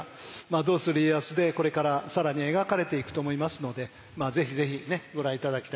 「どうする家康」でこれから更に描かれていくと思いますのでぜひぜひご覧頂きたいと思います。